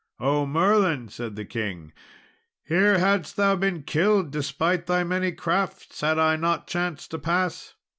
"O Merlin," said the king; "here hadst thou been killed, despite thy many crafts, had I not chanced to pass."